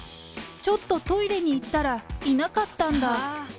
ちょっとトイレに行ったら、いなかったんだ。